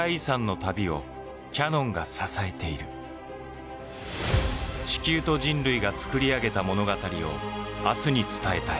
地球と人類が作り上げた物語を明日に伝えたい。